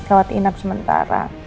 khawatirin habis sementara